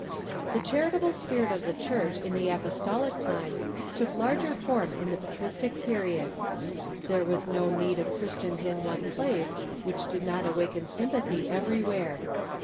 ] The charitable spirit of the Church in the apostolic time took larger form in the patristic period. There was no need CHRISTIAN LIFE AND USAGES 81 of Christians in one place which did not awaken sympathy everywhere.